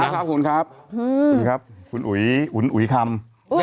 ขอบคุณค่ะคุณอุ๊ยอุ๊ยคำ